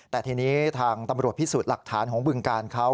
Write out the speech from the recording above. แต่ทีนี้ทางตำรวจพิสูจน์หลักฐานของบึงการเขา